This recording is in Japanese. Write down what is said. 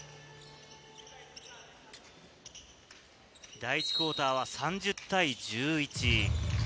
第１クオーターは３０対１１。